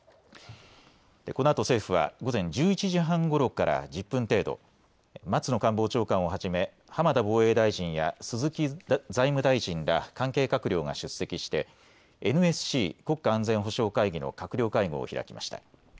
このあと政府は午前１１時半ごろから１０分程度、松野官房長官をはじめ浜田防衛大臣や鈴木財務大臣ら関係閣僚が出席してＮＳＣ・国家安全保障会議の閣僚会合を開きました。